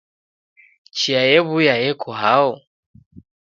Chia yew'uya yeko hao